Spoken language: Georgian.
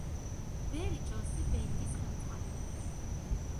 ბენი ჯონსი ბენდის ხელმძღვანელია.